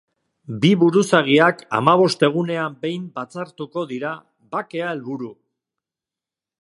Bi buruzagiak hamabost egunean behin batzartuko dira, bakea helburu.